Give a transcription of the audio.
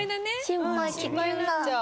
心配になっちゃう。